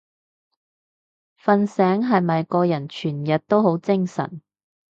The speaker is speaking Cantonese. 瞓醒係咪個人全日都好精神？